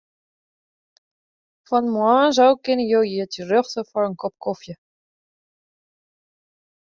Fan moarns ôf kinne jo hjir terjochte foar in kop kofje.